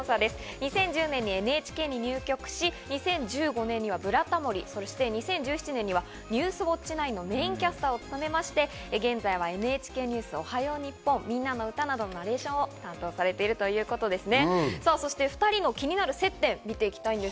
２０１０年にＮＨＫに入局し２０１５年に『ブラタモリ』、２０１７年に『ニュースウオッチ９』のメインキャスターを務めまして、現在は『ＮＨＫニュースおはよう日本』、『みんなのうた』のナレーションなどを担当されているということですね。